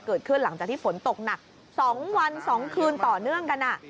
เกิดขึ้นหลังจากที่ฝนตกหนัก๒วัน๒คืนต่อเนื่องกัน